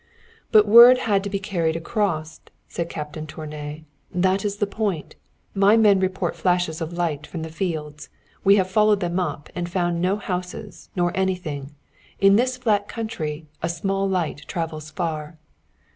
"But the word had to be carried across," said Captain Tournay. "That is the point. My men report flashes of lights from the fields. We have followed them up and found no houses, no anything. In this flat country a small light travels far."